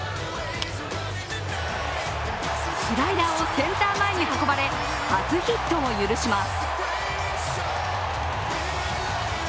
スライダーをセンター前に運ばれ初ヒットを許します。